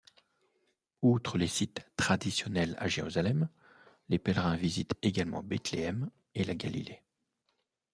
Outre les sites traditionnels à Jérusalem, les pèlerins visitent également Bethléem et la Galilée.